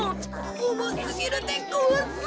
おもすぎるでごわす！